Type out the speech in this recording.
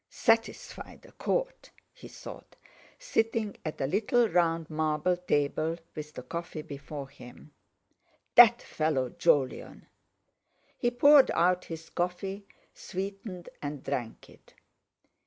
"Satisfy the Court!" he thought, sitting at a little round marble table with the coffee before him. That fellow Jolyon! He poured out his coffee, sweetened and drank it.